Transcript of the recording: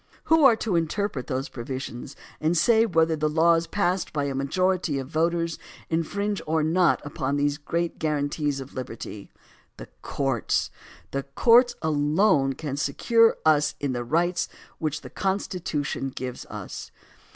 Who are to interpret those provisions and say whether the laws passed by a majority of voters infringe or not upon these great guarantees of liberty? The courts; the courts alone can secure us in the rights which the Constitution gives us.